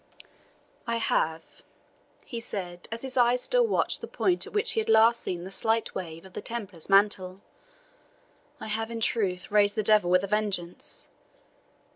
"I have," he said, as his eyes still watched the point at which he had seen the last slight wave of the Templar's mantle "I have, in truth, raised the devil with a vengeance!